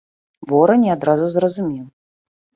Бора не адразу зразумеў.